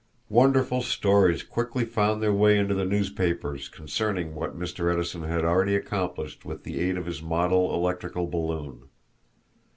Wonderful stories quickly found their way into the newspapers concerning what Mr. Edison had already accomplished with the aid of his model electrical balloon.